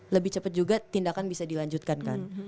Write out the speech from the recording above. lebih cepat juga tindakan bisa dilanjutkan kan